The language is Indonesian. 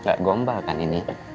aku gak gombal kan ini